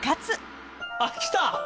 あっ来た！